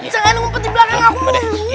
jangan ngumpet di belakang aku